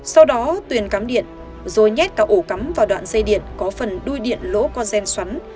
sau đó tuyền cắm điện rồi nhét cả ổ cắm vào đoạn dây điện có phần đuôi điện lỗ qua gen xoắn